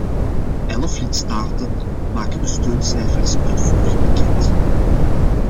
Elf lidstaten maken de steuncijfers uitvoerig bekend.